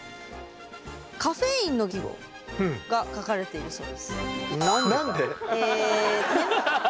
カフェインの記号が書かれているそうです。